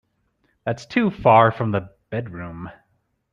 That's too far from the bedroom.